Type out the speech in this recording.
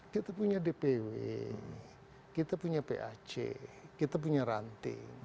kita punya dpw kita punya pac kita punya ranting